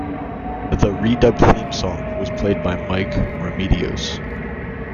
The re-dubbed theme song was played by Mike Remedios.